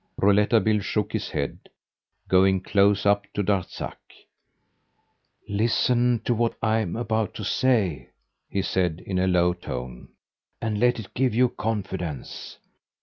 Rouletabille shook his head, going close up to Darzac. "Listen to what I am about to say," he said in a low tone, "and let it give you confidence.